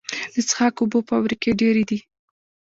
د څښاک اوبو فابریکې ډیرې دي